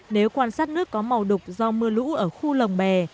nếu quan sát nước có màu đục do mưa lũ ở khu lồng bè